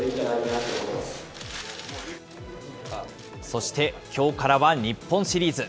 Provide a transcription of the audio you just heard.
そして、きょうからは日本シリーズ。